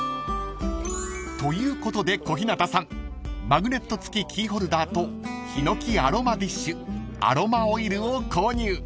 ［ということで小日向さんマグネット付きキーホルダーとひのきアロマディッシュアロマオイルを購入］